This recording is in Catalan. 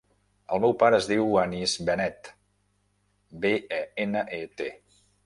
El meu pare es diu Anis Benet: be, e, ena, e, te.